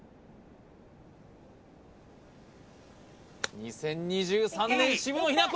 ２０２３年渋野日向子！